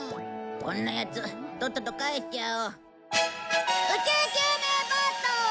こんなヤツとっとと帰しちゃおう。